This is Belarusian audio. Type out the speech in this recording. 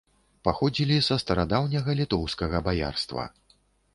Паходзілі са старадаўняга літоўскага баярства.